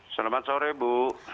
selamat sore bu